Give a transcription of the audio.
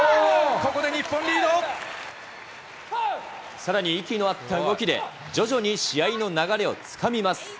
ここさらに息の合った動きで、徐々に試合の流れをつかみます。